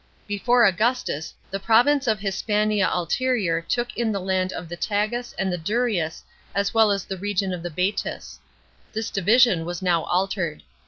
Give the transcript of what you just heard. Before Augustus, the province of Hispania Ulterior took in the land of the Tagus and the Durius as well as the region of the Baetis. This division was now altered.